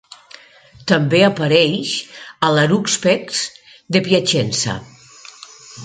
També apareix a l'Harúspex de Piacenza.